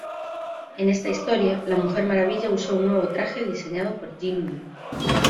En esta historia, la Mujer Maravilla usó un nuevo traje diseñado por Jim Lee.